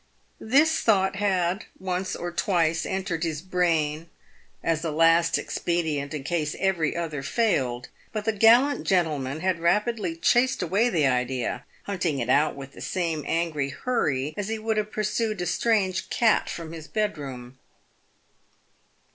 This thought had once or twice entered his brain, as a last ex pedient in case every other failed, but the gallant gentleman had rapidly chased away the idea, hunting it out with the same angry 302 PAVED WITH GOLD. hurry as he would have pursued a strange cat from his bedroom.